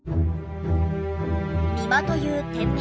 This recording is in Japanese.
「美馬」という店名